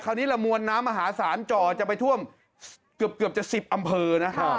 ละมวลน้ำมหาศาลจ่อจะไปท่วมเกือบจะ๑๐อำเภอนะ